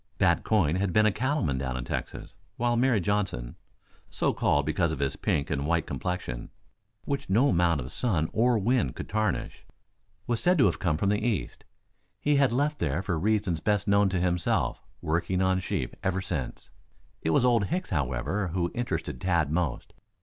Bat Coyne had been a cattle man down in Texas, while Mary Johnson so called because of his pink and white complexion, which no amount of sun or wind could tarnish was said to have come from the East. He had left there for reasons best known to himself, working on sheep ever since. It was Old Hicks, however, who interested Tad most.